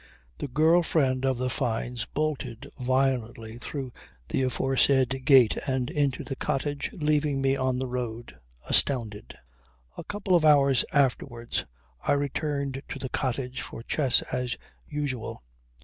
The girl friend of the Fynes bolted violently through the aforesaid gate and into the cottage leaving me on the road astounded. A couple of hours afterwards I returned to the cottage for chess as usual.